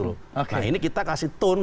nah ini kita kasih tone